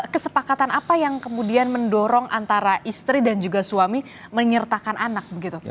kesepakatan apa yang kemudian mendorong antara istri dan juga suami menyertakan anak